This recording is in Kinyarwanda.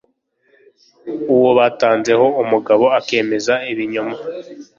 uwo batanzeho umugabo, akemeza ibinyoma